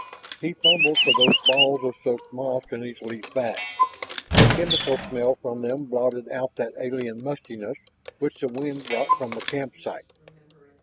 He fumbled for those balls of soaked moss in his leaf bag. The chemical smell from them blotted out that alien mustiness which the wind brought from the campsite.